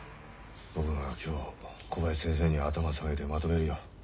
僕が今日小林先生に頭下げてまとめるよ。